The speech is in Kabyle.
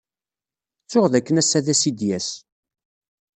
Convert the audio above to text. Ttuɣ dakken ass-a d asidyas.